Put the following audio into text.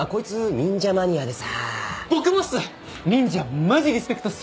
忍者マジリスペクトっす。